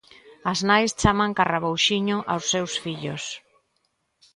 As nais chaman carrabouxiño aos seus fillos.